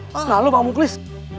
selalu bang muklis